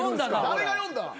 ・誰が呼んだ？